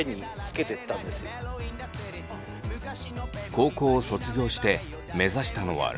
高校を卒業して目指したのはラッパー。